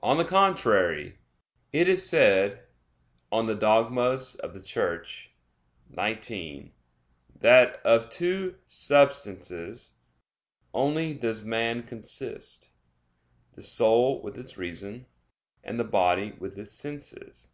On the contrary, It is said (De Eccl. Dogm. xix) that "of two substances only does man consist; the soul with its reason, and the body with its senses."